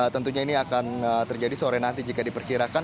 tentunya ini akan terjadi sore nanti jika diperkirakan